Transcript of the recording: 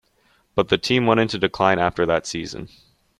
But the team went into decline after that season.